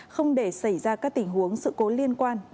không để xảy ra các tình huống sự cố liên quan đến dịch bệnh